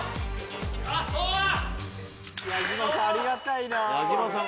矢島さんありがたいな。